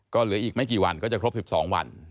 ก็เหลืออีกไม่กี่วันก็จะครบ๑๒วัน